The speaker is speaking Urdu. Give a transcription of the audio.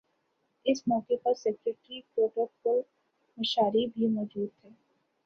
اس موقع پر سیکریٹری پروٹوکول مشاری بھی موجود تھے